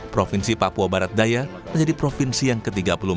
provinsi papua barat daya menjadi provinsi yang ke tiga puluh empat